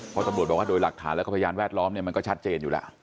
เพราะตำรวจบอกว่าโดยหลักฐานแล้วก็พยานแวดล้อมเนี่ยมันก็ชัดเจนอยู่แล้ว